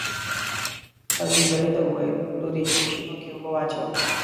ښځې نجلۍ ته وویل: لورې په شېدو کې اوبه واچوه.